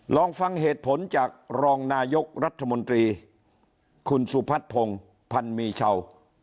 ลองฟังเหตุผลจากรองนายกรัฐมนตรีคุณสุพัฒน์พงศ์พันมีเช่า